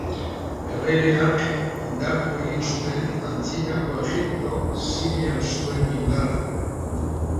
Errege hark indartu egin zuen Antzinako Egiptok Sirian zuen indarra.